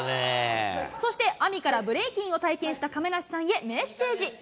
そして、Ａｍｉからブレイキンを体験した亀梨さんへメッセージ。